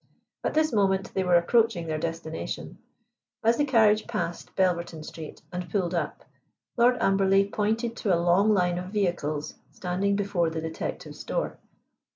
At this moment they were approaching their destination. As the carriage passed Belverton Street and pulled up, Lord Amberley pointed to a long line of vehicles standing before the detective's door.